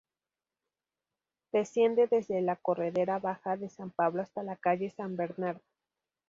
Desciende desde la Corredera Baja de San Pablo hasta la calle San Bernardo.